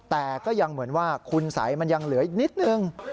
แต่ก็ยังเหมือนว่าคุณสัยมันยังเหลืออีกนิดนึง